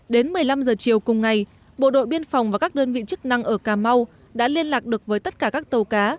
đến một mươi năm h chiều cùng ngày bộ đội biên phòng và các đơn vị chức năng ở cà mau đã liên lạc được với tất cả các tàu cá